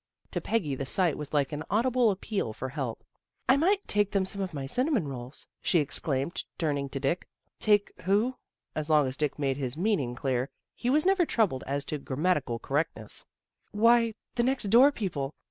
To Peggy the sight was like an audible appeal for help. " I might take them some of my cinnamon rolls," she exclaimed, turning to Dick. " Take who? " As long as Dick made his THE GIRL NEXT DOOR 21 meaning clear, he was never troubled as to grammatical correctness. " Why, the next door people.